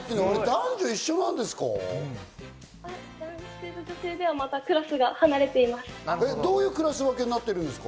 男性と女性ではクラスが離れています。